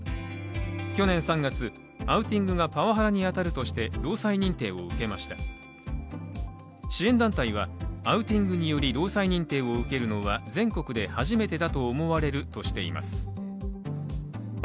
去年３月、アウティングがパワハラに当たるとして労災認定を受けました支援団体は、アウティングにより労災認定を受けるのは全国で初めてだと思われるとしています。